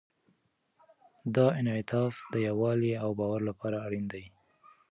دا انعطاف د یووالي او باور لپاره اړین دی.